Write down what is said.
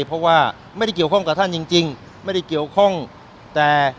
เพราะว่าไม่ได้เกี่ยวข้องกับท่านจริงจริงไม่ได้เกี่ยวข้องแต่